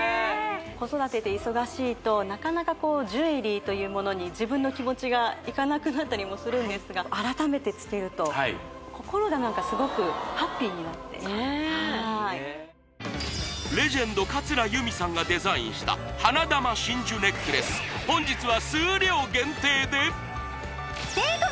子育てで忙しいとなかなかジュエリーというものに自分の気持ちがいかなくなったりもするんですが改めてつけると心が何かすごくハッピーになってレジェンド桂由美さんがデザインした花珠真珠ネックレス本日は数量限定で税込